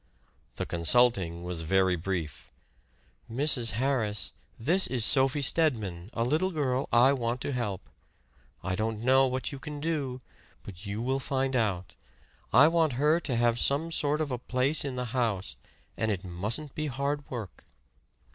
The "consulting" was very brief. "Mrs. Harris, this is Sophie Stedman, a little girl I want to help. I don't know what she can do, but you will find out. I want her to have some sort of a place in the house and it mustn't be hard work."